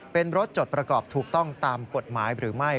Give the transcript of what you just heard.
เป็นรถจดประกอบถูกต้องตามกฎหมายหรือไม่